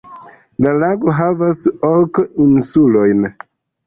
La lago havas ok insulojn.